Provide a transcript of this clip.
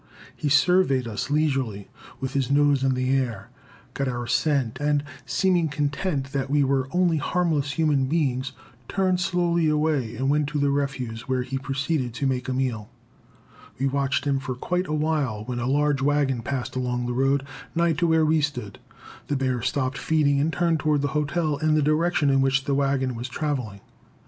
He surveyed us leisurely, with his nose in the air, got our scent, and, seeming content that we were only harmless human beings, turned slowly away and went to the refuse, where he proceeded to make a meal. We watched him for quite a while, when a large wagon passing along the road nigh to where we stood, the bear stopped feeding and turned toward the hotel in the direction in which the wagon was traveling.